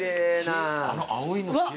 あの青いの奇麗。